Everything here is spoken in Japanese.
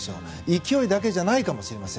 勢いだけじゃないかもしれません。